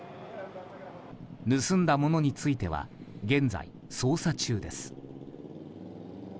盗んだものについては現在、捜査中です。